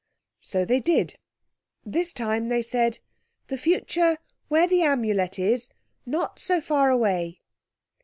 So they did. This time they said, "The future, where the Amulet is, not so far away."